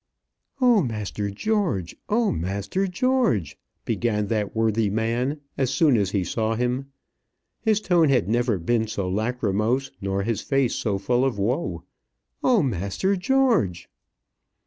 "Oh, master George! oh, master George!" began that worthy man, as soon as he saw him. His tone had never been so lachrymose, nor his face so full of woe. "Oh, master George!"